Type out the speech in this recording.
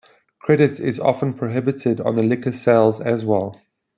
Credit is often prohibited on liquor sales as well.